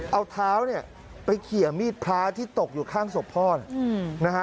เอาเท้าเนี่ยไปเขี่ยมีดพระที่ตกอยู่ข้างศพพ่อนะฮะ